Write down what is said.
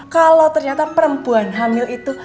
kalau ternyata perempuan hamil itu